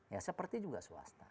ya seperti juga swasta